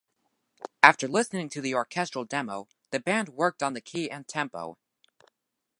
After listening to the orchestral demo, the band worked on the key and tempo.